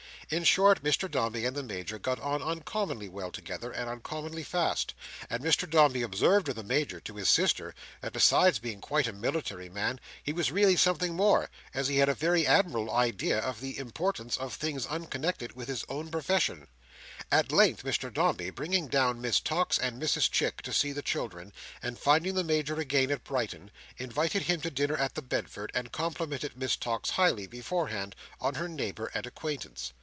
In short, Mr Dombey and the Major got on uncommonly well together, and uncommonly fast: and Mr Dombey observed of the Major, to his sister, that besides being quite a military man he was really something more, as he had a very admirable idea of the importance of things unconnected with his own profession. At length Mr Dombey, bringing down Miss Tox and Mrs Chick to see the children, and finding the Major again at Brighton, invited him to dinner at the Bedford, and complimented Miss Tox highly, beforehand, on her neighbour and acquaintance.